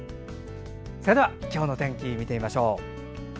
それでは今日の天気を見てみましょう。